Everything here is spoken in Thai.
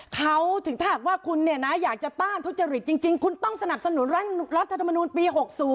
ถ้าคุณอยากจะต้านทุจริตจริงคุณต้องสนับสนุนรัฐธรรมนูนปี๖๐